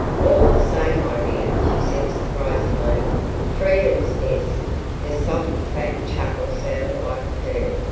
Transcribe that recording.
"All the same, my dear," she said surprisingly, "freedom's best!" Her soft, fat chuckle sounded like a purr.